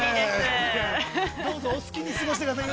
◆どうぞ、お好きに過ごしてください。